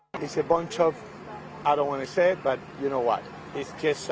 ini adalah banyak saya tidak ingin mengatakan tapi anda tahu apa